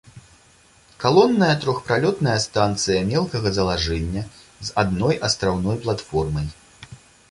Калонная трохпралётная станцыя мелкага залажэння з адной астраўной платформай.